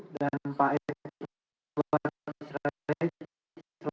dan pak s s s s